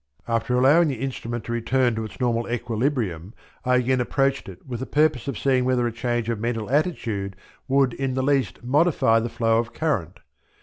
After allowing the instrument to return to its normal equilibrium I again approached it with the purpose of seeing whether a change of mental attitude would in the least modify the flow of current.